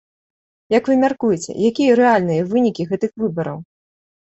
Як вы мяркуеце, якія рэальныя вынікі гэтых выбараў?